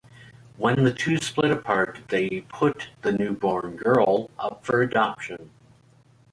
When the two split apart, they put the newborn girl up for adoption.